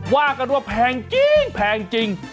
ว่ากันว่าแพงจริงแพงจริง